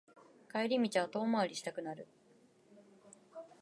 帰り道は遠回りしたくなる